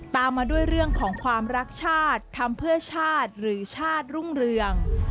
ตามมาด้วยเรื่องของความรักชาติทำเพื่อชาติหรือชาติรุ่งเรือง